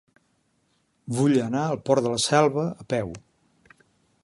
Vull anar al Port de la Selva a peu.